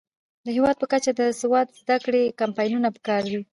د هیواد په کچه د سواد زده کړې کمپاینونه پکار دي.